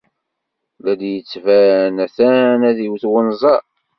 La d-yettban atan ad d-iwet unẓar.